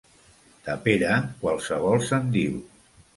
De Pere, qualsevol se'n diu.